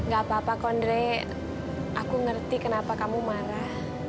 gak apa apa kondre aku ngerti kenapa kamu marah